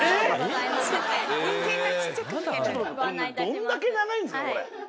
どんだけ長いんですかこれ。